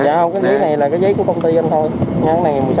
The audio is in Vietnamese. dạ không cái giấy này là cái giấy của công ty anh thôi